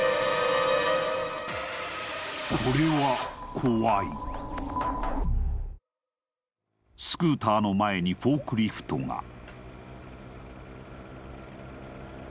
これはスクーターの前にフォークリフトが